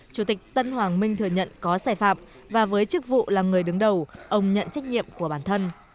chủ tịch tân hoàng minh thừa nhận có sai phạm và với chức vụ là người đứng đầu ông nhận trách nhiệm của bản thân